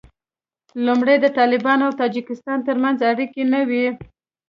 لومړی د طالبانو او تاجکستان تر منځ اړیکې نه وې